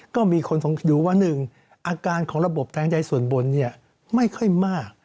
ก็มีคนอยู่ว่าหนึ่งอาการของระบบแทนใจส่วนบนไม่ค่อยมาก